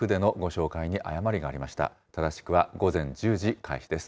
正しくは午前１０時開始です。